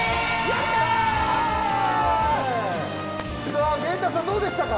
さあゲンタさんどうでしたか？